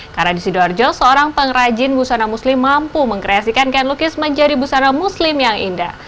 karena di sidoarjo seorang pengrajin busana muslim mampu mengkreasikan kain lukis menjadi busana muslim yang indah